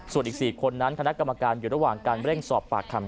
ส่วนอีก๔คนนั้นคณะกรรมการอยู่ระหว่างการเร่งสอบปากคำ